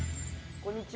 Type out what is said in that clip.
こんにちは。